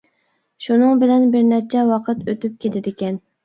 شۇنىڭ بىلەن بىر نەچچە ۋاقىت ئۆتۈپ كېتىدىكەن.